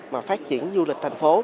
mà phát triển du lịch thành phố